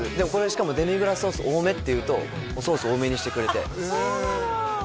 しかもデミグラスソース多めって言うとソース多めにしてくれてあっそうなの？